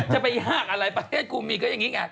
จะไปยากอะไรประเทศกูมีก็อย่างนี้ไง